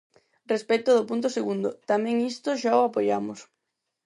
Respecto do punto segundo, tamén isto xa o apoiamos.